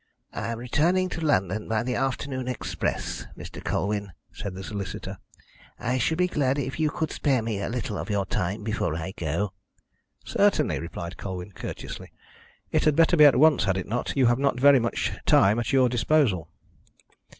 "I am returning to London by the afternoon express, Mr. Colwyn," said the solicitor. "I should be glad if you could spare me a little of your time before I go." "Certainly," replied Colwyn, courteously. "It had better be at once, had it not? You have not very much time at your disposal."